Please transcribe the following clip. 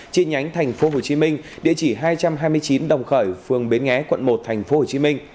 chi nhánh tp hcm địa chỉ hai trăm hai mươi chín đồng khởi phường bến nghé quận một tp hcm